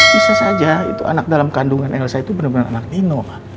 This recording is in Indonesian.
bisa saja itu anak dalam kandungan elsa itu bener bener anak nino ma